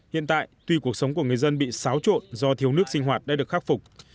hiện tại tuy cuộc sống của người dân bị xáo trộn do thiếu nước sinh hoạt đã được khắc phục